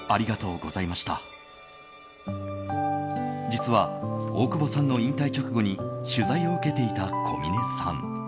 実は、大久保さんの引退直後に取材を受けていた小嶺さん。